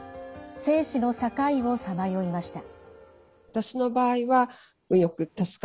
生死の境をさまよいました。